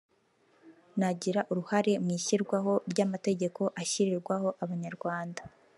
nagira uruhare mu ishyirwaho ry’amategeko ashyirirwaho Abanyarwanda